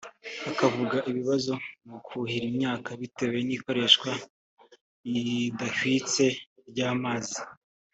hakavuka ibibazo mu kuhira imyaka bitewe n’ikoreshwa ridahwitse ry’amazi